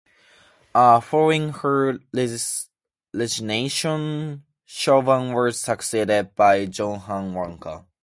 Following her resignation, Schavan was succeeded by Johanna Wanka.